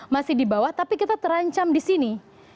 masih di bawah tapi kita terancam di sini